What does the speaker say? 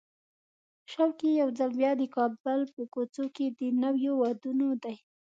شوق یې یو ځل بیا د کابل په کوڅو کې د نویو وادونو دی.